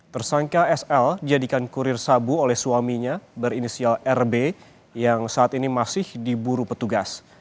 tersangka sl dijadikan kurir sabu oleh suaminya berinisial rb yang saat ini masih diburu petugas